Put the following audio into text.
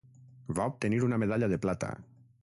Va obtenir una medalla de plata.